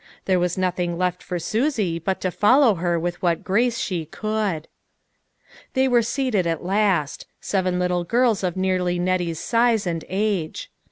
There was nothing left for Susie but to follow her with what grace she could. They were seated at last. Seven little girls of nearly Nettie's size and age.